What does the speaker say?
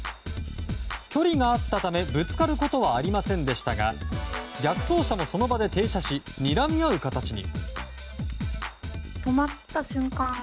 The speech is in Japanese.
距離があったためぶつかることはありませんでしたが逆走車もその場で停車しにらみ合う形に。